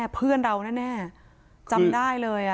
เพื่อนเราแน่จำได้เลย